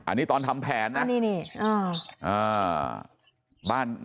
อันนี้ตอนทำแผนนะอันนี้นี่